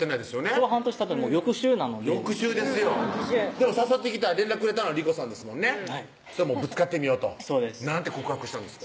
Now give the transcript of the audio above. それは半年たってない翌週なので翌週ですよでも連絡くれたのは理子さんですもんねぶつかってみようとそうです何て告白したんですか？